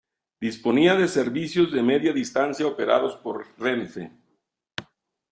Disponía de servicios de Media Distancia operados por Renfe.